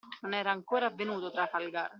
Non era ancora avvenuto Trafalgar.